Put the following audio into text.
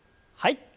はい。